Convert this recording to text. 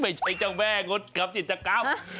ไม่ใช่เจ้าแม่งดทำกิจกรรม